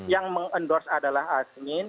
yang mengendorse adalah azmin